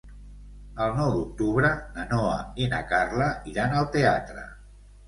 El nou d'octubre na Noa i na Carla iran al teatre.